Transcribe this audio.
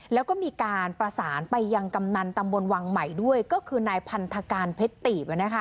แล้วก็มีการประสานไปยังกำนันตำบลวังใหม่ด้วยก็คือนายพันธการเพชรตีบ